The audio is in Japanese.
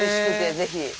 ぜひ。